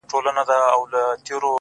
غنمرنگو کي سوالگري پيدا کيږي،